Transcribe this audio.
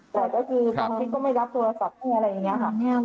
แต่ที่ว่าบางทิศก็ไม่รับโทรศัพท์อะไรอย่างนี้ค่ะ